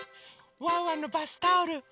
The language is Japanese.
ワンワンのバスタオル。